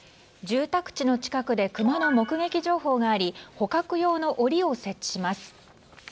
住宅地の近くでクマの目撃情報があり捕獲用の檻を設置します。